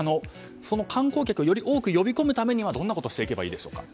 その観光客をより多く呼び込むためにはどんなことをしていけばいいでしょうか。